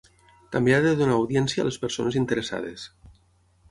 També ha de donar audiència a les persones interessades.